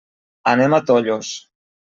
Anem a Tollos.